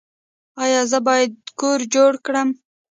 ایا زه باید کور جوړ کړم؟